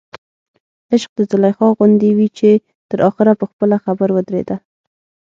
عشق د زلیخا غوندې وي چې تر اخره په خپله خبر ودرېده.